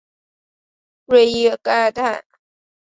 瑞伊盖泰。